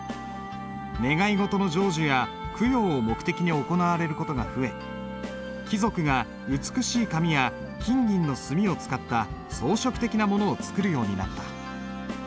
願い事の成就や供養を目的に行われる事が増え貴族が美しい紙や金銀の墨を使った装飾的なものを作るようになった。